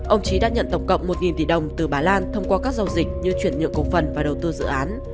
ông trí đã nhận tổng cộng một tỷ đồng từ bà lan thông qua các giao dịch như chuyển nhượng cổ phần và đầu tư dự án